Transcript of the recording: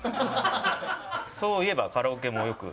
そういえばカラオケもよく。